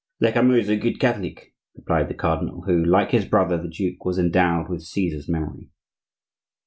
"Lecamus is a good Catholic," remarked the cardinal, who, like his brother the duke, was endowed with Caesar's memory.